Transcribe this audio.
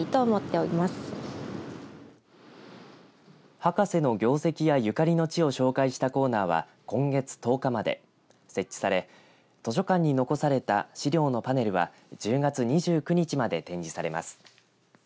博士の業績やゆかりの地を紹介したコーナーは今月１０日まで設置され図書館に残された資料のパネルは１０月２９日まで展示されます。